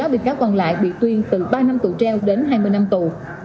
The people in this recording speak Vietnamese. một mươi sáu bị cáo còn lại bị tuyến từ ba năm tù treo đến hai mươi năm tù